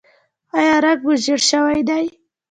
ایا رنګ مو ژیړ شوی دی؟